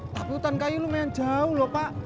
tapi hutan kayu lumayan jauh loh pak